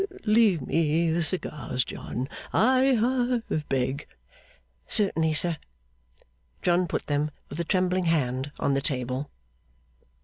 Leave me the cigars, John, I ha beg.' 'Certainly, sir.' John put them, with a trembling hand, on the table.